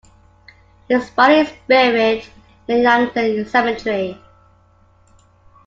His body is buried in a Yankton cemetery.